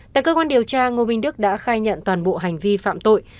tại cơ quan điều tra ngô minh đức đã khai nhận toàn bộ hành vi phạm tội